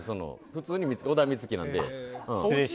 普通に小田ミツキなんで。